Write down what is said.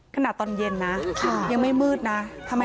ตอนเย็นนะยังไม่มืดนะ